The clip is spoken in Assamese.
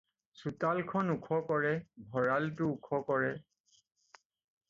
চোতালখন ওখ কৰে, ভঁৰালটো ওখ কৰে।